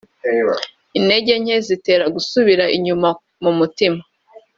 intege nke zitera gusubira inyuma mu mutima